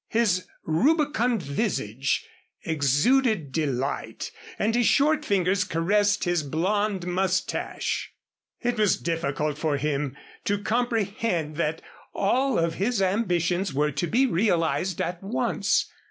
His rubicund visage exuded delight, and his short fingers caressed his blond mustache. It was difficult for him to comprehend that all of his ambitions were to be realized at once.